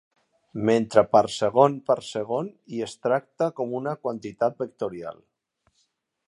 metre per segon per segon i es tracta com una quantitat vectorial.